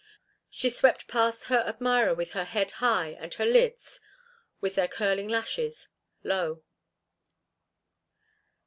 She swept past her admirer with her head high and her lids—with their curling lashes—low.